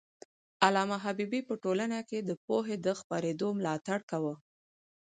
علامه حبيبي په ټولنه کي د پوهې د خپرېدو ملاتړ کاوه.